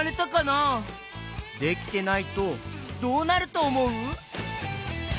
できてないとどうなるとおもう？